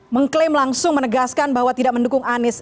mengklaim langsung menegaskan bahwa tidak mendukung anies